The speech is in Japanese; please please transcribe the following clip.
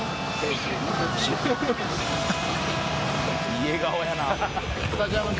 「いい笑顔やな」